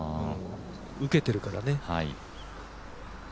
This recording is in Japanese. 受けているからね。